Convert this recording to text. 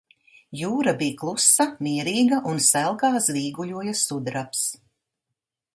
Jūra bij klusa, mierīga un selgā zvīguļoja sudrabs.